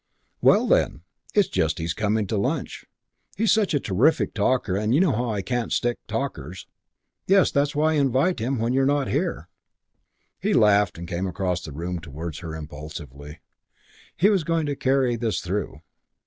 "Well, then?" "It's just his coming to lunch. He's such a terrific talker and you know I can't stick talkers." "Yes, that's just why I invite them when you're not here." He laughed and came across the room towards her impulsively. He was going to carry this through.